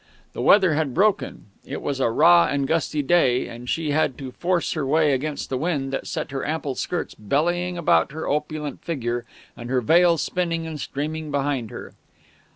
The weather had broken; it was a raw and gusty day; and she had to force her way against the wind that set her ample skirts bellying about her opulent figure and her veil spinning and streaming behind her.